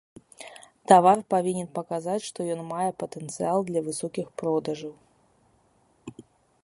Тавар павінен паказаць, што ён мае патэнцыял для высокіх продажаў.